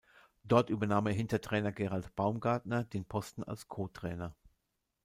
Dort übernahm er hinter Trainer Gerald Baumgartner den Posten als Co-Trainer.